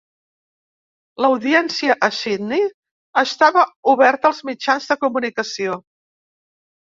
L'audiència a Sydney estava oberta als mitjans de comunicació.